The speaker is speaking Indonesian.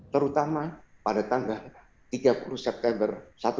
terutama pada tanggal tiga puluh september seribu sembilan ratus enam puluh lima